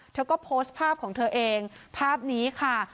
เธอก็โพสต์ภาพของเธอเองภาพนี้ค่ะ